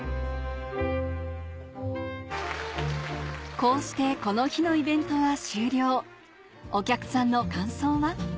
こうしてこの日のイベントは終了お客さんの感想は？